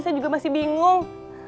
saya juga masih bingung